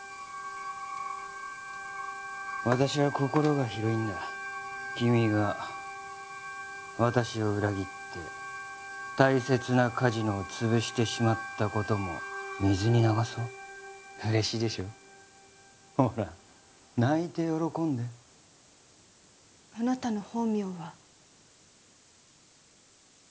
私は心が広いんだ君が私を裏切って大切なカジノをつぶしてしまったことも水に流そう嬉しいでしょうほら泣いて喜んであなたの本名は？